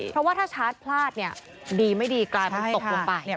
เพราะว่าถ้าชาร์จพลาดเนี่ยดีไม่ดีกลายเป็นตกลงไปเนี่ย